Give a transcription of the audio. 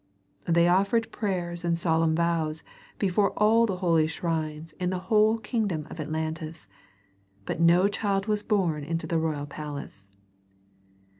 They offered prayers and solemn vows before all the holy shrines in the whole kingdom of Atlantis, but no child was born into the royal palace.